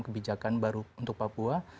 kebijakan baru untuk papua